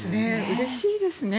うれしいですね